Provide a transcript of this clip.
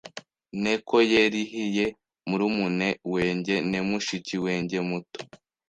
neko yerihiye murumune wenjye ne mushiki wenjyemuto